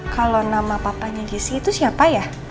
kalo nama papanya jessy itu siapa ya